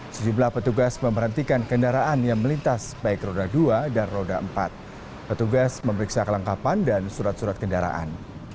sejumlah petugas memerhentikan kendaraan yang melintas baik roda dua dan roda empat petugas memeriksa kelengkapan dan surat surat kendaraan